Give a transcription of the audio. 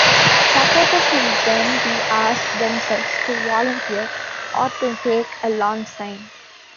Supporters will then be asked themselves to volunteer, or to take a lawn sign.